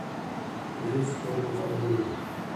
پولیسو پرون غل ونیو.